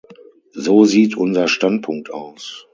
So sieht unser Standpunkt aus.